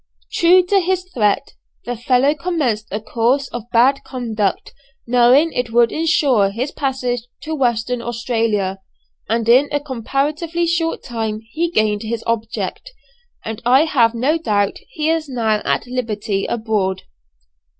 True to his threat, the fellow commenced a course of bad conduct, knowing it would ensure his passage to Western Australia; and in a comparatively short time he gained his object, and I have no doubt he is now at liberty abroad.